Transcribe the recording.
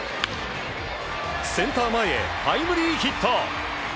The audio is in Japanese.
センター前へタイムリーヒット。